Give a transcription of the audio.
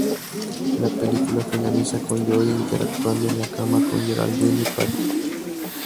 La película finaliza con Joe interactuando en la cama con Geraldine y Patti.